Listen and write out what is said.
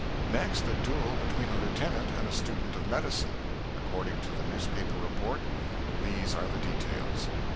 Next, a duel between a lieutenant and a student of medicine. According to the newspaper report these are the details.